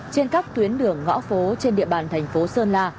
trên các tuyến đường ngõ phố trên địa bàn thành phố sơn la